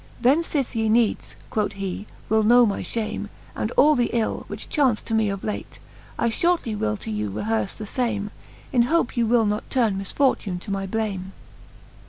Then fith ye needs, quoth he, will know my fhame, And all the ill, which chaunft to me of late, I fhortly will to you rehearfe the fame, In hope ye will not turne misfortune to my blame.